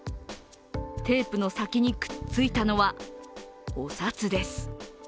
テープの先にくっついたのはお札です。